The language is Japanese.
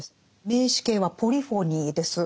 名詞形は「ポリフォニー」です。